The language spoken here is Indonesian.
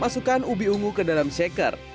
masukkan ubi ungu ke dalam shaker